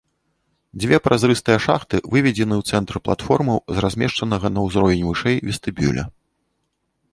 Дзве празрыстыя шахты выведзены ў цэнтр платформаў з размешчанага на ўзровень вышэй вестыбюля.